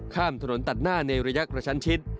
ข้ามถนนตัดหน้าในระยะกระชั้นชิด